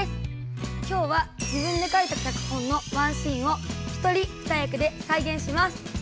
今日は自分で書いた脚本のワンシーンを一人二役でさいげんします。